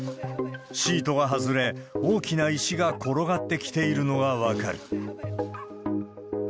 シートが外れ、大きな石が転がってきているのが分かる。